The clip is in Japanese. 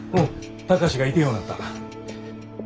貴司がいてへんようなった。